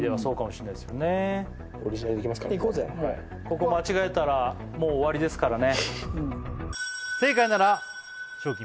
もうここ間違えたらもう終わりですからね